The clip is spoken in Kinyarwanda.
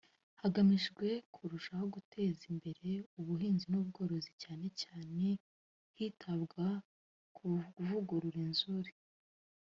hagamijwe kurushaho guteza imbere ubuhinzi n’ubworozi cyane cyane hitabwa ku kuvugurura inzuri